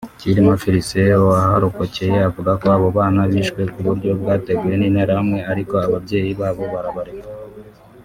Cyirima Felicien waharokokeye avuga ko abo bana bishwe ku buryo bwateguwe n’Interahamwe ariko ababyeyi babo barabareka